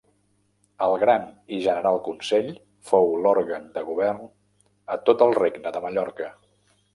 El Gran i General Consell fou l'òrgan de govern a tot el Regne de Mallorca.